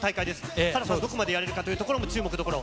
ＳＡＬＡＨさんがどこまでやれるかというところも注目どころ。